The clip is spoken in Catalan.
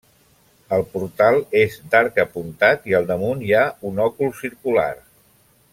El portal és d'arc apuntat i al damunt hi ha un òcul circular.